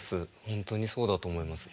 本当にそうだと思います。